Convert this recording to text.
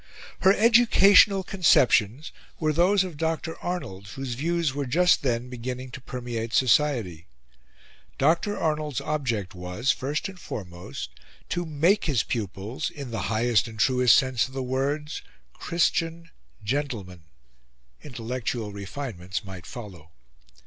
Her educational conceptions were those of Dr. Arnold, whose views were just then beginning to permeate society. Dr. Arnold's object was, first and foremost, to make his pupils "in the highest and truest sense of the words, Christian gentlemen," intellectual refinements might follow.